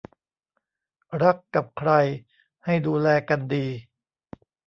รักกับใครให้ดูแลกันดี